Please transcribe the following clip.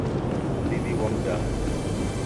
W'uw'iw'i ghwa mdamu.